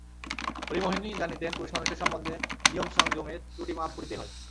হরিমোহিনী জানিতেন পুরুষমানুষের সম্বন্ধে নিয়মসংযমের ত্রুটি মাপ করিতেই হয়।